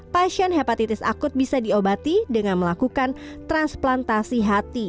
pasien hepatitis akut bisa diobati dengan melakukan transplantasi hati